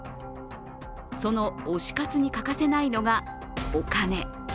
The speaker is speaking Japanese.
その推し活に欠かせないのがお金。